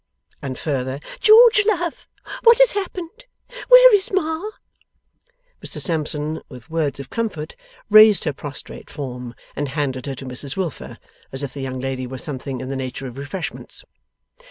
and further, 'George love, what has happened? Where is Ma?' Mr Sampson, with words of comfort, raised her prostrate form, and handed her to Mrs Wilfer as if the young lady were something in the nature of refreshments.